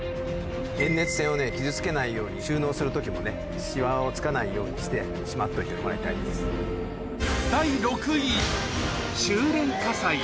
電熱線を傷つけないように、収納するときも、しわをつかないようにしてしまっておいてもらい第６位、収れん火災。